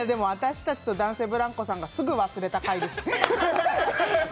私たちと男性ブランコさんが、すぐ忘れた回でしたね。